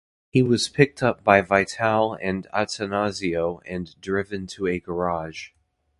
He was picked up by Vitale and Attanasio and driven to a garage.